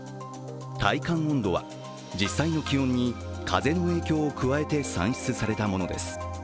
体感温度は実際の気温に風の影響を加えて算出されたものです。